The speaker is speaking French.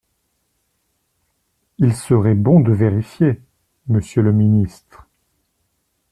Il serait bon de vérifier, monsieur le ministre.